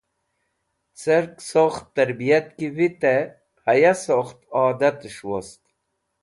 Cẽr sokht tẽrbiyat ki vitẽ haya sokht adatẽs̃h wost .